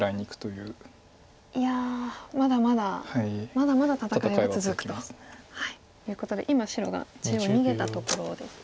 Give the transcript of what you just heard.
いやまだまだまだまだ戦いは続くと。ということで今白が中央逃げたところです。